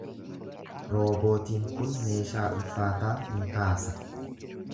Roobootiin kun meeshaa ulfaataa ni kaasa.